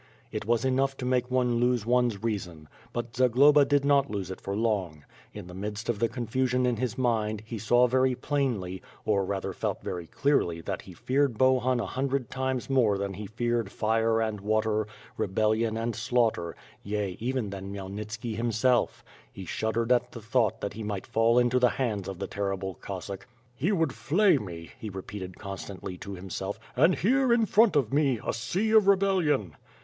It was enough to make one lose one's reason. But Zagloba did not lose it for long. In the midst of the'confusion in his mind, he saw very plainly, or rather felt very clearly that he feared Bohun a hundred times more than he feared fire and water, rebellion and slaughter, yea, even than Khmyelnit ski himself. He shuddered at the thought that he might fall into the hands of the terrible Cossack. "He would flay me," he repeated constantly to himself, "and here, in front of me, a sea of rebellion!''